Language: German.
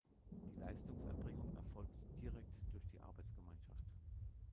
Die Leistungserbringung erfolgt direkt durch die Arbeitsgemeinschaft.